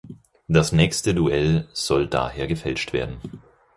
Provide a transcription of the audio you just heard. Das nächste Duell soll daher gefälscht werden.